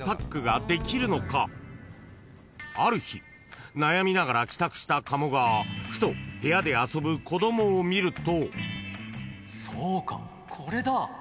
［ある日悩みながら帰宅した加茂がふと部屋で遊ぶ子供を見ると］